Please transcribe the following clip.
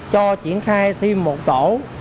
cho triển khai thêm một tổ